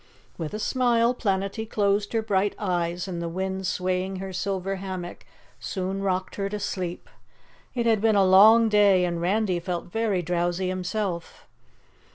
With a smile Planetty closed her bright eyes and the wind swaying her silver hammock soon rocked her to sleep. It had been a long day and Randy felt very drowsy himself.